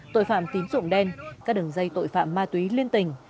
tội phạm tín dụng đen các đường dây tội phạm ma túy liên tỉnh